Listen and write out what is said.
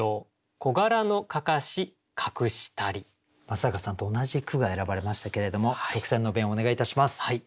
松坂さんと同じ句が選ばれましたけれども特選の弁をお願いいたします。